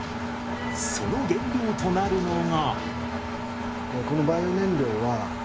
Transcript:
その原料となるのが。